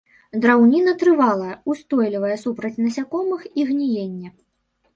Драўніна трывалая, устойлівая супраць насякомых і гніення.